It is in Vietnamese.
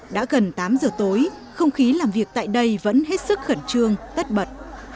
đã gần tám giờ tối không khí làm việc tại đây vẫn hết sức khẩn trương tất bật